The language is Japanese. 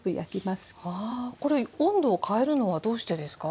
これ温度を変えるのはどうしてですか？